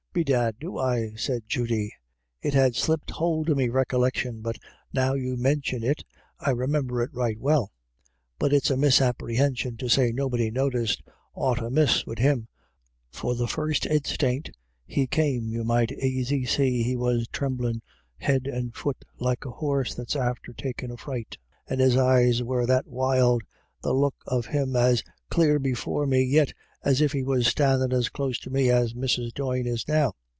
" Bedad do I," said Judy ;" it had slipped hould of me recollections, but now you mintion it I 13 178 IRISH IDYLLS. renumber it right well. But it's a misapperhension to say nobody noticed aught amiss wid him, for the first instiant he came you might aisy see he was thrimblin' head and fut like a horse that's after takin' a fright, and his eyes *were that wild — the look of him's as clare before me yit as if he was standin' as close to me as Mrs. Doyne is now.